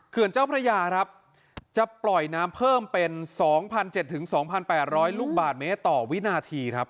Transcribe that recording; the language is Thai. เขื่อนเจ้าพระยาครับจะปล่อยน้ำเพิ่มเป็นสองพันเจ็ดถึงสองพันแปดร้อยลูกบาทเมตรต่อวินาทีครับ